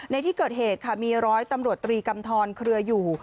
ในที่เกิดเหตุค่ะมีร้อยตำรวจตรีกำทรเครืออยู่